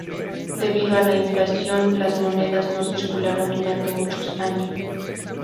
Debido a la inflación, las monedas no circularon durante muchos años.